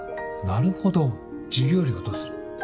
なるほど授業料はどうする？